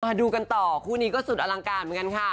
มาดูกันต่อคู่นี้ก็สุดอลังการเหมือนกันค่ะ